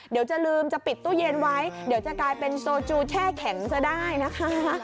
เดี๋ยวจะลืมจะปิดตู้เย็นไว้เดี๋ยวจะกลายเป็นโซจูแช่แข็งซะได้นะคะ